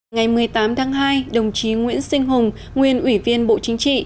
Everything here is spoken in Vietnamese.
ngày một mươi tám tháng hai đồng chí nguyễn sinh hùng nguyên ủy viên bộ chính trị